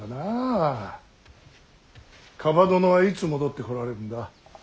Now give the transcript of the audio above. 蒲殿はいつ戻ってこられるんだ。